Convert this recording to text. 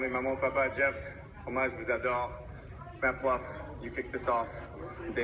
เหมือนออสคาร์ที่ยาวมากนะคะคืนนี้